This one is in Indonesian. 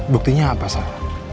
buktinya apa sal